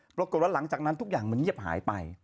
ปรากฏว่าหลังจากนั้นทุกอย่างมันเงียบหายไป